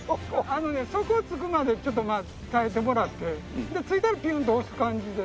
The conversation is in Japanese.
あのね底をつくまでちょっとまあ耐えてもらってついたらピュンと押す感じで。